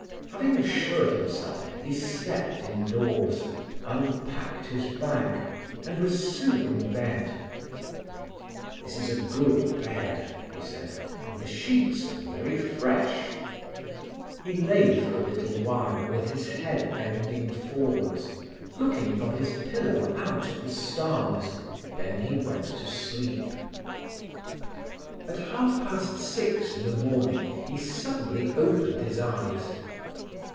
Having assured himself, he stepped indoors, unpacked his bag, and was soon in bed. "This is a good bed," he said. "And the sheets are very fresh." He lay for a little while with his head bending forwards, looking from his pillow out at the stars, then he went to sleep. At half past six in the morning he suddenly opened his eyes.